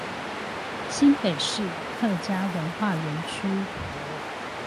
新北市客家文化園區